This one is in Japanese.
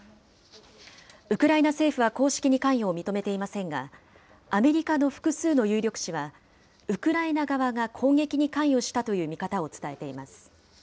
ウクライナ政府は公式に関与を認めていませんが、アメリカの複数の有力紙は、ウクライナ側が攻撃に関与したという見方を伝えています。